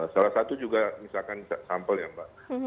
salah satu juga misalkan sampel ya mbak